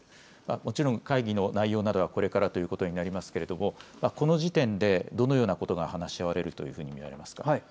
もちろん会議の内容などはこれからということになりますけれども、この時点でどのようなことが話し合われると見られますか。